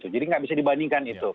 jadi tidak bisa dibandingkan itu